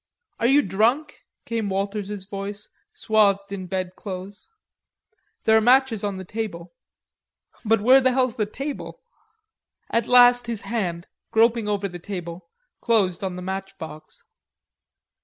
"Are you drunk?" came Walters's voice swathed in bedclothes. "There are matches on the table." "But where the hell's the table?" At last his hand, groping over the table, closed on the matchbox.